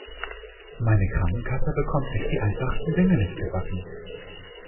Meine Krankenkasse bekommt echt die einfachsten Dinge nicht gebacken.